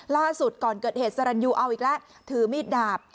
ล่าสุดก่อนเกิดเหตุสรรยูเอาอีกแล้วถือมีดดาบ